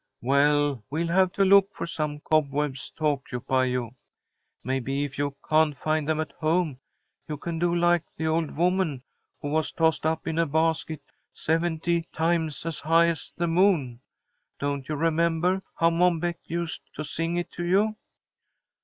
Well, we'll have to look for some cobwebs to occupy you. Maybe if you can't find them at home, you can do like the old woman who was tossed up in a basket, seventy times as high as the moon. Don't you remember how Mom Beck used to sing it to you?